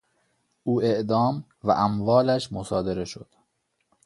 او اعدام و اموالش مصادره شد.